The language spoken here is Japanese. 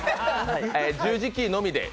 十字キーのみで。